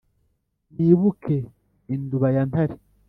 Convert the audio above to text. nibuke induba ya ntare,